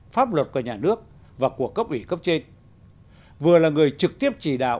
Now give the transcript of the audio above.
pháp luật của nhà nước và của cấp ủy cấp trên vừa là người trực tiếp chỉ đạo